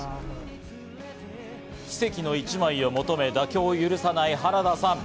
奇跡の一枚を求め、妥協を許さない原田さん。